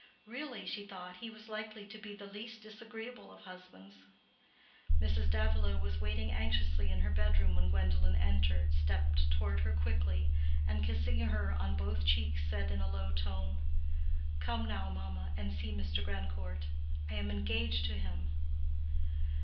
Really, she thought, he was likely to be the least disagreeable of husbands. Mrs. Davilow was waiting anxiously in her bedroom when Gwendolen entered, stepped toward her quickly, and kissing her on both cheeks said in a low tone, "Come down, mamma, and see Mr. Grandcourt. I am engaged to him."